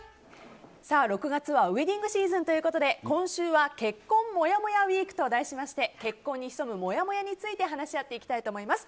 ６月はウェディングシーズンということで今週は結婚もやもやウィークと題しまして結婚に潜むもやもやについて話し合っていきたいと思います。